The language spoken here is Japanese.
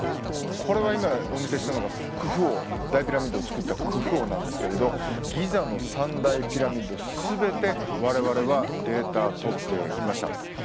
これは今お見せしたのがクフ王大ピラミッドをつくったクフ王なんですけれどギザの３大ピラミッド全て我々はデータとっていきました。